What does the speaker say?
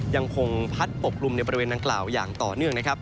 ยังคงพัดปกลุ่มในบริเวณดังกล่าวอย่างต่อเนื่องนะครับ